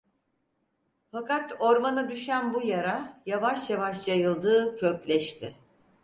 Fakat ormana düşen bu yara, yavaş yavaş yayıldı, kökleşti.